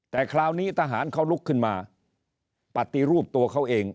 แต่คราวนี้ทหารเขาลุกขึ้นมาปฏิรูปตัวเขาเอง